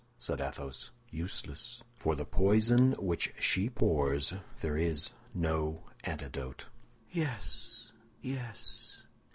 said Athos, "useless! For the poison which she pours there is no antidote." "Yes, yes!